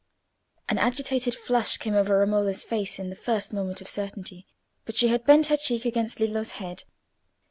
An agitated flush came over Romola's face in the first moment of certainty, but she had bent her cheek against Lillo's head.